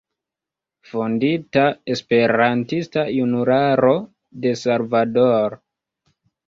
Fondita Esperantista Junularo de Salvador.